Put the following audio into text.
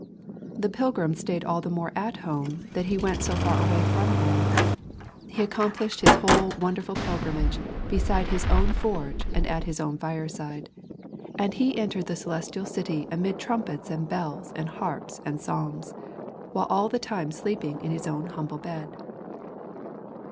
This pilgrim stayed all the more at home that he went so far away from home; he accomplished his whole wonderful pilgrimage beside his own forge and at his own fireside; and he entered the Celestial City amid trumpets and bells and harps and psalms, while all the time sleeping in his own humble bed.